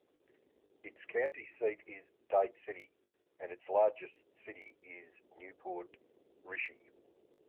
Its county seat is Dade City, and its largest city is New Port Richey.